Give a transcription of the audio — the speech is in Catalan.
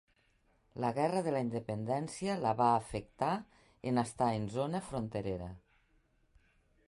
La guerra de la independència la va afectar en estar en zona fronterera.